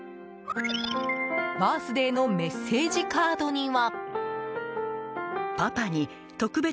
バースデーのメッセージカードには。